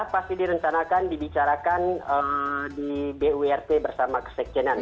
pasti direncanakan dibicarakan di burt bersama kesekjenan